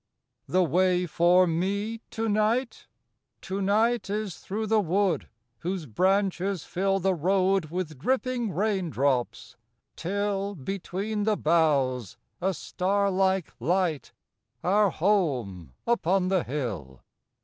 The way for me to night? To night, Is through the wood whose branches fill The road with dripping rain drops. Till, Between the boughs, a star like light Our home upon the hill.